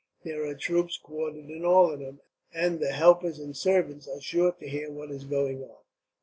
There are troops quartered in all of them, and the helpers and servants are sure to hear what is going on.